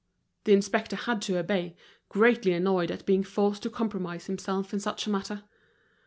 The inspector had to obey, greatly annoyed at being forced to compromise himself in such a matter.